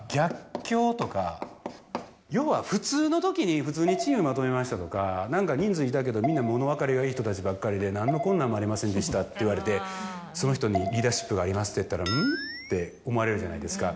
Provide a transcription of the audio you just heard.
要は普通のときに普通にチームまとめましたとか人数いたけどみんな物分かりがいい人たちばっかりで何の困難もありませんでしたって言われてその人にリーダーシップがありますって言われたらん？って思われるじゃないですか。